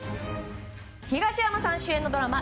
東山さん主演のドラマ